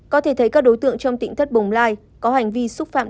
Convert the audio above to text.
có thể thấy các đối tượng trong tỉnh thất bồng lai có hành vi xúc phạm